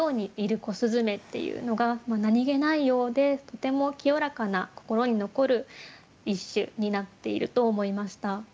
すずめっていうのが何気ないようでとても清らかな心に残る一首になっていると思いました。